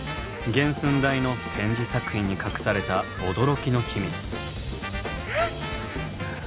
原寸大の展示作品に隠された驚きの秘密。